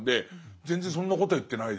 全然そんなことは言ってないですね。